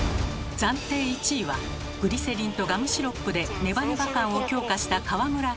暫定１位はグリセリンとガムシロップでネバネバ感を強化した川村教授。